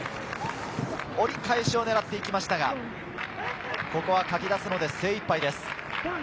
折り返しを狙っていきましたが、ここは、かき出すのに精いっぱいです。